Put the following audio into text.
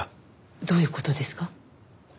どういう事ですか？